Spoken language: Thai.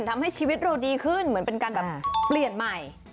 ทำให้ชีวิตเราดีขึ้นเหมือนเป็นการแบบเปลี่ยนใหม่